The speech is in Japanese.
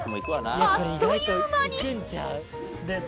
あっという間に。